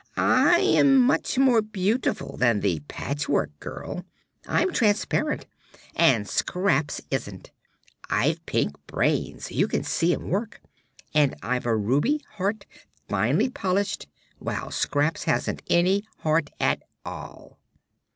"I am much more beautiful than the Patchwork Girl. I'm transparent, and Scraps isn't; I've pink brains you can see 'em work; and I've a ruby heart, finely polished, while Scraps hasn't any heart at all."